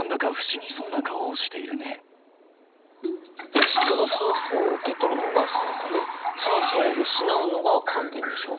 物質が酸素を受け取るのが酸化で酸素を失うのが還元でしょ？